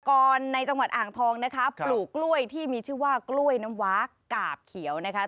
กรในจังหวัดอ่างทองนะคะปลูกกล้วยที่มีชื่อว่ากล้วยน้ำว้ากาบเขียวนะคะ